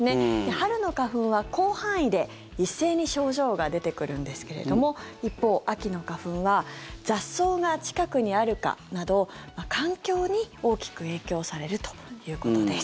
春の花粉は広範囲で一斉に症状が出てくるんですけれども一方、秋の花粉は雑草が近くにあるかなど環境に大きく影響されるということです。